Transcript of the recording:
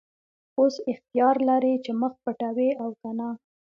اوس اختیار لرې چې مخ پټوې او که نه.